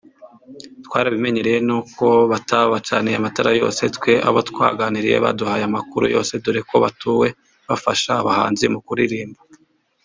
twarabimenyereye nuko batabacaniye amatarayose” twe abo twaganiriye baduhaye amakuru yose dore ko batuwe bafasha abahanzi mu kuririmba